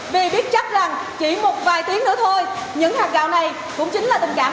vì biết chắc rằng chỉ một vài tiếng nữa thôi những hạt gạo này cũng chính là tình cảm